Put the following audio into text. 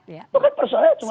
itu kan persoalannya cuma